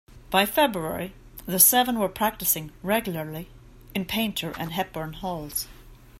By February, the seven were practicing regularly in Painter and Hepburn Halls.